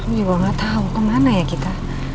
aku juga gak tau kemana ya kita